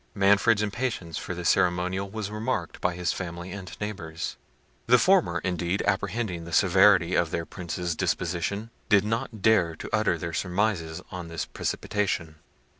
Manfred's impatience for this ceremonial was remarked by his family and neighbours. The former, indeed, apprehending the severity of their Prince's disposition, did not dare to utter their surmises on this precipitation.